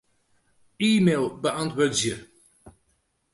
E-mail beäntwurdzje.